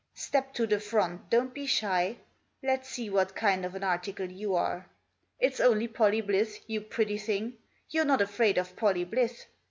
Step to the front, don't be shy I Let's see what kind of an article you are. If s only Pollie Blyth, you pretty thing; you're not afraid of Pollie Blyth?